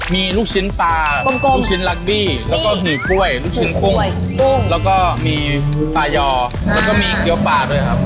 มีลูกชิ้นปลา